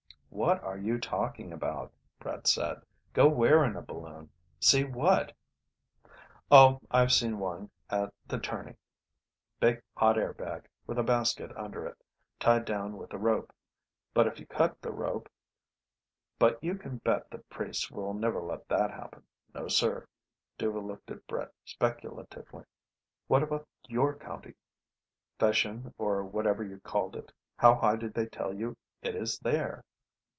"What are you talking about?" Brett said. "Go where in a balloon? See what?" "Oh, I've seen one at the Tourney. Big hot air bag, with a basket under it. Tied down with a rope. But if you cut the rope...! But you can bet the priests will never let that happen, no, sir." Dhuva looked at Brett speculatively. "What about your county: Fession, or whatever you called it. How high do they tell you it is there?"